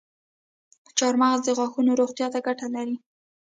چارمغز د غاښونو روغتیا ته ګټه لري.